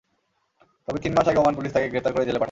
তবে তিন মাস আগে ওমান পুলিশ তাঁকে গ্রেপ্তার করে জেলে পাঠায়।